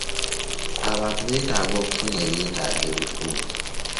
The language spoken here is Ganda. Abantu beetaaga okufuna eby'etaago ebikulu.